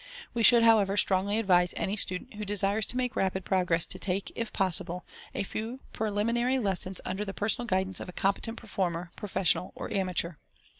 We should, however, strongly advise any student who desires to make rapid progress to take, if pos sible, a few preliminary lessons under the personal guidance of a competent performer, professional or amateur.